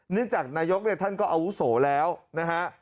เนื่องจากนายกเนี่ยท่านก็เอาโว้โสแล้วนะฮะ